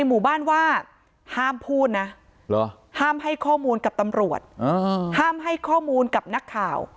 ห้ามให้ข้อมูลกับตำรวจห้ามให้ข้อมูลกับนักข่าว